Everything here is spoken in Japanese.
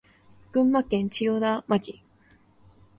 群馬県千代田町